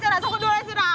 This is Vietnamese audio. cứ nói nhỏ đấy